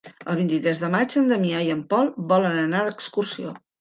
El vint-i-tres de maig en Damià i en Pol volen anar d'excursió.